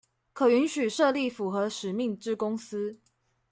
可允許設立符合使命之公司